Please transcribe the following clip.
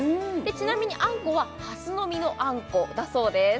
ちなみにあんこはハスの実のあんこだそうです